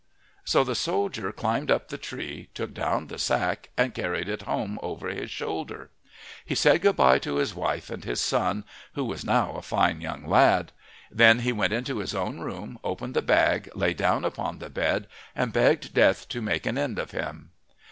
So the soldier climbed up the tree, took down the sack, and carried it home over his shoulder. He said good bye to his wife and his son, who was now a fine young lad. Then he went into his own room, opened the bag, lay down upon the bed, and begged Death to make an end of him.